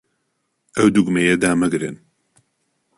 ئەو دوگمەیە دامەگرن.